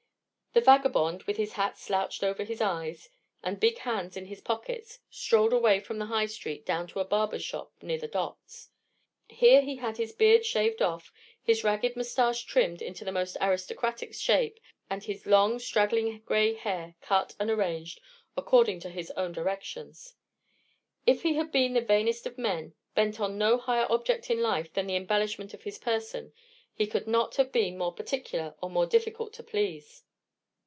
The vagabond, with his hat slouched over his eyes, and big hands in his pockets, strolled away from the High Street down to a barber's shop near the docks. Here he had his beard shaved off, his ragged moustache trimmed into the most aristocratic shape, and his long, straggling grey hair cut and arranged according to his own directions. If he had been the vainest of men, bent on no higher object in life than the embellishment of his person, he could not have been more particular or more difficult to please.